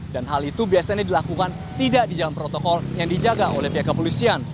dan hal itu biasanya dilakukan tidak di dalam protokol yang dijaga oleh pihak kepolisian